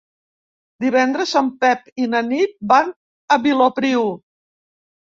Divendres en Pep i na Nit van a Vilopriu.